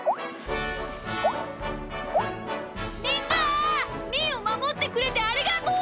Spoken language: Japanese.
みんなみーをまもってくれてありがとう！